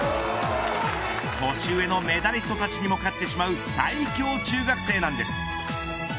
年上のメダリストたちにも勝ってしまう最強中学生なんです。